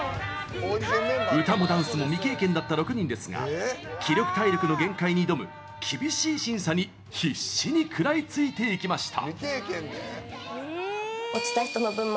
歌もダンスも未経験だった６人ですが気力、体力の限界に挑む厳しい審査に必死に食らいついていきました。